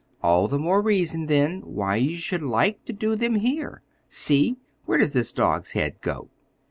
"All the more reason, then, why you should like to do them here. See, where does this dog's head go?"